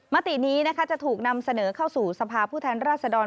มตินี้นะคะจะถูกนำเสนอเข้าสู่สภาพผู้แทนราชดร